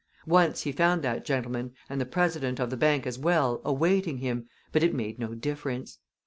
Once he found that gentleman, and the president of the bank as well, awaiting him, but it made no difference.